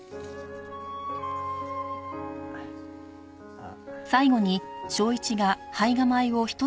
あっ。